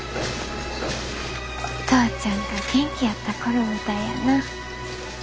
お父ちゃんが元気やった頃みたいやな。